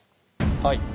はい。